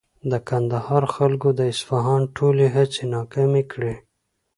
د کندهار خلکو د اصفهان ټولې هڅې ناکامې کړې.